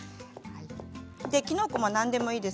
きのこも何でもいいです。